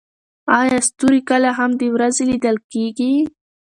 ایا ستوري کله هم د ورځې لیدل کیږي؟